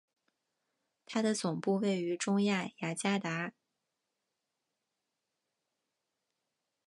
它的总部位于中亚雅加达。